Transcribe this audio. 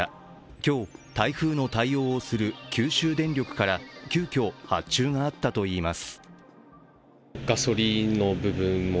今日、台風の対応をする九州電力から急きょ発注があったといいます。